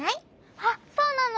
あっそうなの！